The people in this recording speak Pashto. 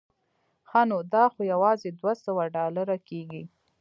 ښه نو دا خو یوازې دوه سوه ډالره کېږي.